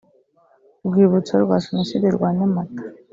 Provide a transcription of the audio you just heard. rwibutso rwa jenoside rwa nyamata